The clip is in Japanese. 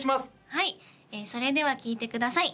はいそれでは聴いてください